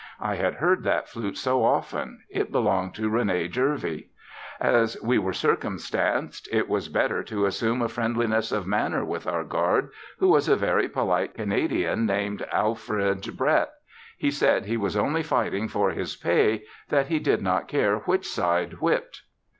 I had heard that flute so often, it belonged to Rene Jervey. As we were circumstanced it was better to assume a friendliness of manner with our guard who was a very polite Canadian named Alfred Brett. He said he was only fighting for his pay, that he did not care which side whipped.